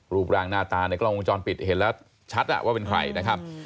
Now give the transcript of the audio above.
รูปร่างหน้าตาในกล้องวงจรปิดเห็นแล้วชัดว่าเป็นใครนะครับ